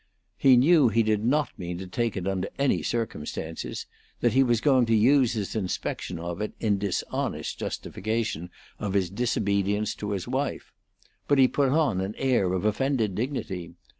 He knew he did not mean to take it under any circumstances; that he was going to use his inspection of it in dishonest justification of his disobedience to his wife; but he put on an air of offended dignity.